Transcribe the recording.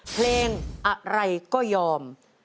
เพลงอะไรก็ยอม